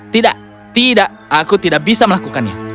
tidak tidak aku tidak bisa melakukannya